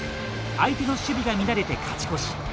相手の守備が乱れて勝ち越し。